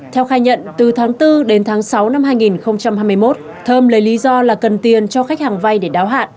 theo khai nhận từ tháng bốn đến tháng sáu năm hai nghìn hai mươi một thơm lấy lý do là cần tiền cho khách hàng vay để đáo hạn